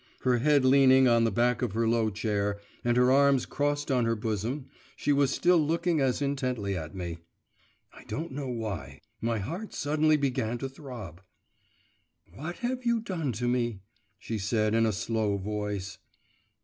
Her head leaning on the back of her low chair and her arms crossed on her bosom, she was still looking as intently at me. I don't know why, my heart suddenly began to throb. 'What have you done to me?' she said in a slow voice.